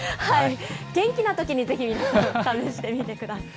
元気なときにぜひ皆さん、試してみてください。